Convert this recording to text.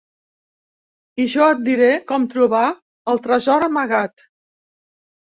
I jo et diré com trobar el tresor amagat.